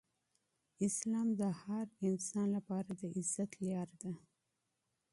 اسلام د هر انسان لپاره د عزت لاره ده.